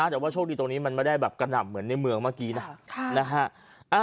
แต่ว่าโชคดีตรงนี้มันไม่ได้แบบกระหน่ำเหมือนในเมืองเมื่อกี้นะ